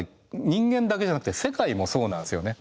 人間だけじゃなくて世界もそうなんですよね。